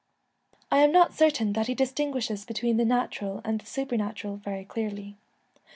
I am not certain that he distinguishes between the natural and supernatural very clearly.